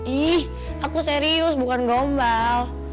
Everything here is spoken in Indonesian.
ih aku serius bukan gombal